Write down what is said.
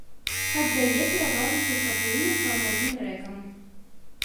Аддае перавагу хуткаплынным халодным рэкам.